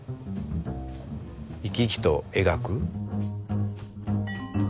生き生きと描く。